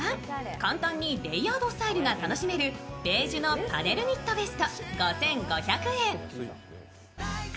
簡単にレイヤードスタイルが楽しめるベージュのパネルニットベスト。